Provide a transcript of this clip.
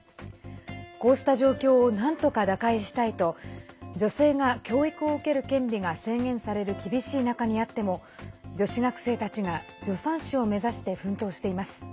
こうした状況をなんとか打開したいと女性が教育を受ける権利が制限される厳しい中にあっても女子学生たちが助産師を目指して奮闘しています。